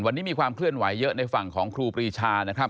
วันนี้มีความเคลื่อนไหวเยอะในฝั่งของครูปรีชานะครับ